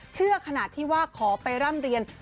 เชื่อขนาดที่ว่าขอไปร่ำเรียน